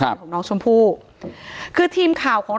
ถ้าใครอยากรู้ว่าลุงพลมีโปรแกรมทำอะไรที่ไหนยังไง